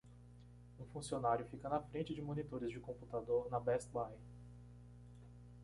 Um funcionário fica na frente de monitores de computador na Best Buy.